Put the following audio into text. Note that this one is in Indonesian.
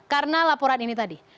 karena laporan ini tadi